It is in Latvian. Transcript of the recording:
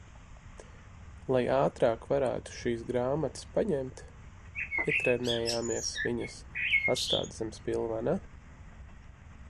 Lai ātrāk varētu šīs grāmatas paņemt, ietrenējāmies viņas atstāt zem spilvena.